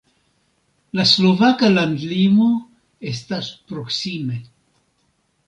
La slovaka landlimo estas proksime.